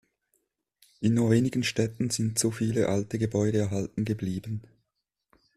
In nur wenigen Städten sind so viele alte Gebäude erhalten geblieben.